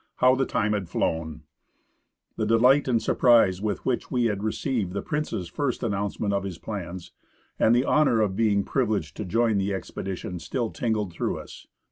How the time had flown ! The delight and surprise with which we had received the Prince's first announcement of his plans, and the honour of being privileged to join the expedition, still tingled through us.